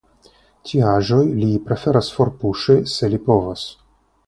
Tiaĵoj li preferas forpuŝi, se li povas.